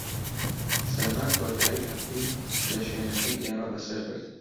سەلمان کۆتاییی هەفتەی لە شوێنەکەی ئێمە بەسەر برد.